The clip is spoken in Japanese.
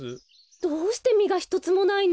どうしてみがひとつもないの？